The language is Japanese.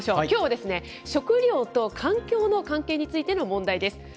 きょうはですね、食料と環境の関係についての問題です。